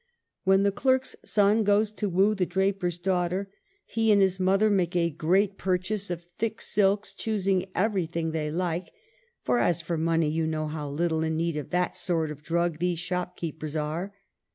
When the clerk's son goes to vv^oo the draper's daughter, he and his mother make a great purchase of thick silks, choos ing everything they like (" for, as for money, you know how little in need of that sort of drug these shopkeepers are").